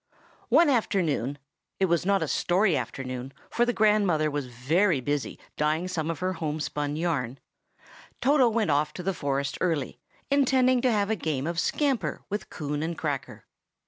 ONE afternoon (it was not a "story" afternoon, for the grandmother was very busy, dyeing some of her homespun yarn) Toto went off to the forest early, intending to have a game of scamper with Coon and Cracker.